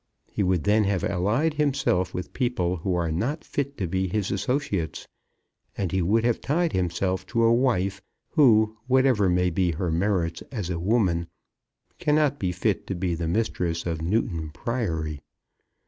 He would then have allied himself with people who are not fit to be his associates, and he would have tied himself to a wife who, whatever may be her merits as a woman, cannot be fit to be the mistress of Newton Priory.